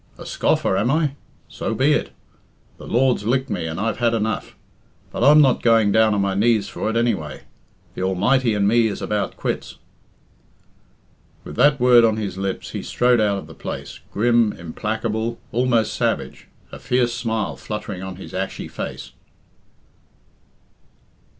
A scoffer, am I? So be it. The Lord's licked me, and I've had enough. But I'm not going down on my knees for it, anyway. The Almighty and me is about quits." With that word on his lips he strode out of the place, grim, implacable, almost savage, a fierce smile fluttering on his ashy face.